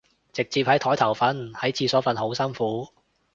想直接喺枱頭瞓，喺廁所瞓好辛苦